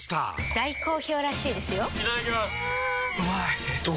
大好評らしいですよんうまい！